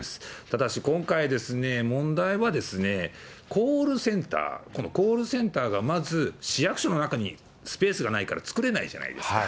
ただし今回、問題は、コールセンター、このコールセンターがまず市役所の中にスペースがないから作れないじゃないですか。